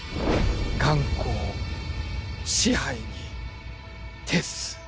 眼光紙背に徹す